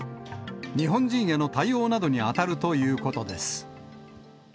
日本人への対応などに当たるということです。